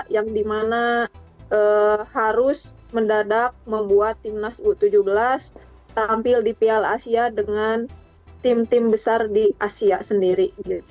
yang dimana harus mendadak membuat timnas u tujuh belas tampil di piala asia dengan tim tim besar di asia sendiri